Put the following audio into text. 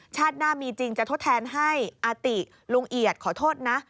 หน้ามีจริงจะทดแทนให้อาติลุงเอียดขอโทษนะ